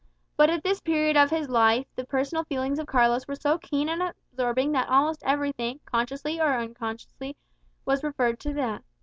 But at this period of his life the personal feelings of Carlos were so keen and absorbing that almost everything, consciously or unconsciously, was referred to them.